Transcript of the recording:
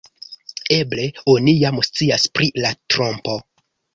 Eble oni jam scias pri la trompo.